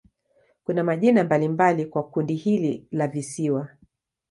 Kuna majina mbalimbali kwa kundi hili la visiwa.